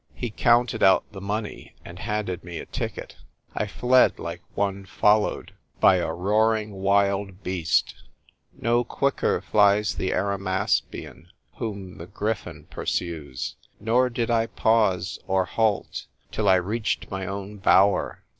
He counted out the money, and handed me a ticket. I fled, like one followed by a roaring wild VIVE i.'anakciue! 49 beast. No quicker flies the Arimaspian whom the gryphon pursues. Nor did I pause or halt till I reached my own bower.